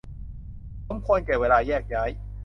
สมควรแก่เวลาแยกย้าย